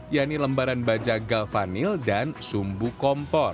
yaitu lembaran baja galvanil dan sumbu kompor